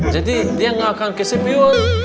jadi dia nggak akan ke sipiun